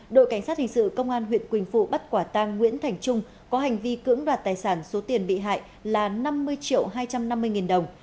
đội cảnh sát hình sự công an huyện quỳnh phụ bắt quả tang nguyễn thành trung có hành vi cưỡng đoạt tài sản số tiền bị hại là năm mươi triệu hai trăm năm mươi nghìn đồng